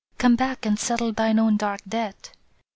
Come back and settle thine own dark debt."